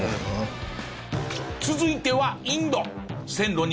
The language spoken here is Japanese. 続いてはインド。